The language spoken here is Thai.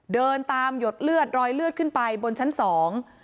เดินตามหยดเลือดรอยเลือดขึ้นไปบนชั้นสอง